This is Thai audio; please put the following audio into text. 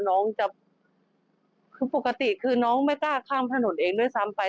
น้องจะคือปกติคือน้องไม่กล้าข้ามถนนเองด้วยซ้ำไป